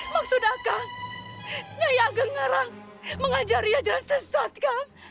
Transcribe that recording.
maksudnya kang nyai ageng ngarang mengajari ajaran sesat kang